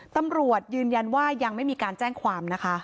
ตำรวจยืนยันว่ายังไม่มีการแจ้งความนะคะ